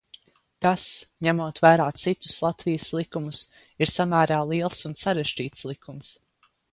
Tas, ņemot vērā citus Latvijas likumus, ir samērā liels un sarežģīts likums.